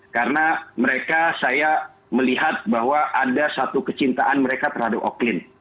karena mereka saya melihat bahwa ada satu kecintaan mereka terhadap oklin